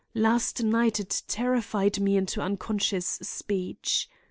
Last night it terrified me into unconscious speech.